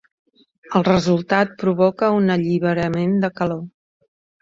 El resultat provoca un alliberament de calor.